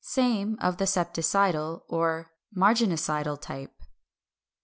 Same of the septicidal or marginicidal type.